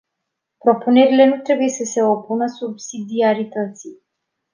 Propunerile nu trebuie să se opună subsidiarității.